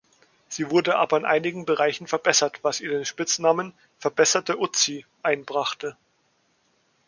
Sie wurde aber in einigen Bereichen verbessert, was ihr den Spitznamen „Verbesserte Uzi“ einbrachte.